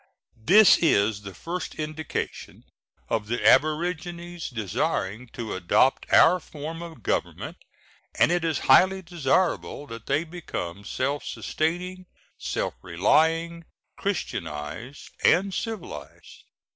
This is the first indication of the aborigines desiring to adopt our form of government, and it is highly desirable that they become self sustaining, self relying, Christianized, and civilized.